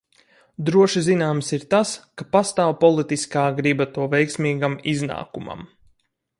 Droši zināms ir tas, ka pastāv politiskā griba to veiksmīgam iznākumam.